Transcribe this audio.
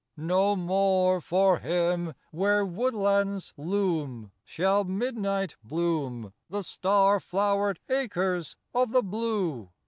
III No more for him, where woodlands loom, Shall Midnight bloom The star flow'red acres of the blue!